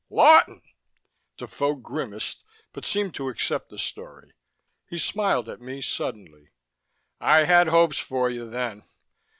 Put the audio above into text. "Lawton!" Defoe grimaced, but seemed to accept the story. He smiled at me suddenly. "I had hopes for you, then.